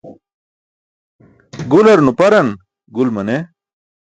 Gular nuparan gul mane.